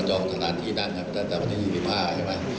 ก็ตั้งแต่สัก๒๕บาทใช่มั๊ย